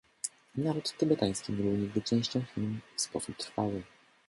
Naród tybetański nie był nigdy częścią Chin w sposób trwały